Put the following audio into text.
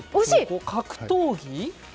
格闘技？